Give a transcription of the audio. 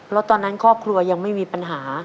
แล้วตอนนั้นครอบครัวยังไม่มีปัญหา